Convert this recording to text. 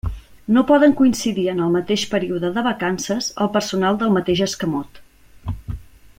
No poden coincidir en el mateix període de vacances el personal del mateix escamot.